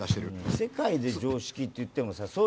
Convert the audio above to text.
世界で常識って言ってもさ。